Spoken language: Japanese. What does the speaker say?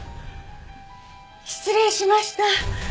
失礼しました。